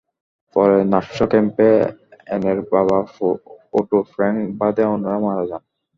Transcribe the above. পরে নাৎসি ক্যাম্পে অ্যানের বাবা অটো ফ্রাঙ্ক বাদে অন্যরা মারা যান।